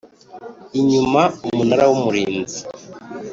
Inyuma umunara w umurinzi